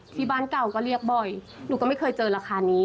ที่บ้านเก่าก็เรียกบ่อยหนูก็ไม่เคยเจอราคานี้